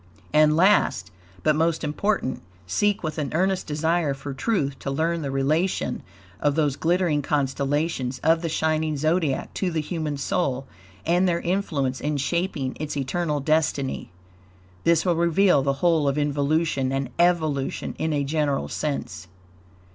And last, but most important, seek with an earnest desire for truth to learn the relation of those glittering constellations of the shining Zodiac to the human soul and their influence in shaping its eternal destiny. This will reveal the whole of involution and evolution in a general sense.